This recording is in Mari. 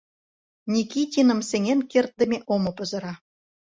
Никитиным сеҥен кертдыме омо пызыра...